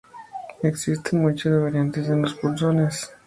Existen muchas variantes en los punzones.